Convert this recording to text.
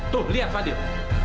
tuh lihat fadil